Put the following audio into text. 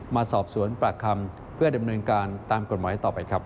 มาสอบสวนปากคำเพื่อดำเนินการตามกฎหมายต่อไปครับ